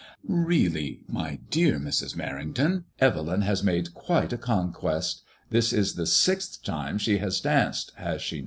"Really, my dear Mrs. Mer rington, Evelyn has made quite a conquest. This is the sixth time she has danced, has she 148 MADEMOISELLE IXB.